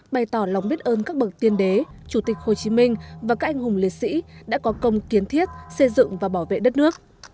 bày tỏ lòng biết ơn các bậc tiên đế chủ tịch hồ chí minh và các anh hùng liệt sĩ đã có công kiến thiết xây dựng và bảo vệ đất nước